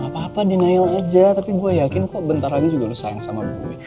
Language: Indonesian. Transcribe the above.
gak apa apa denial aja tapi gue yakin kok bentar lagi juga lo sayang sama gue